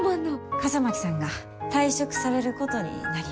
笠巻さんが退職されることになりました。